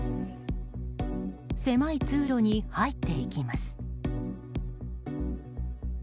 狭い通路に入っていきます。